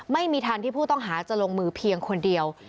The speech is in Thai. ไม่มีทางที่ผู้ต้องหาจะลงมือเพียงคนเดียว